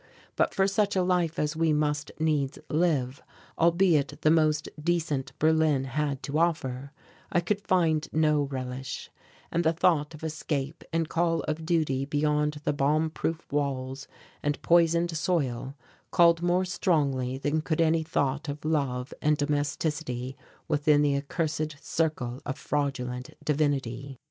But for such a life as we must needs live, albeit the most decent Berlin had to offer, I could find no relish and the thought of escape and call of duty beyond the bomb proof walls and poisoned soil called more strongly than could any thought of love and domesticity within the accursed circle of fraudulent divinity.